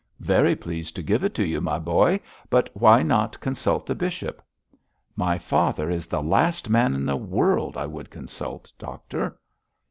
'Very pleased to give it to you, my boy, but why not consult the bishop?' 'My father is the last man in the world I would consult, doctor.'